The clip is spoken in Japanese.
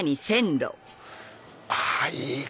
あぁいい！